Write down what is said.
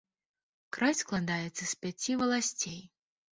Край складаецца з пяці валасцей.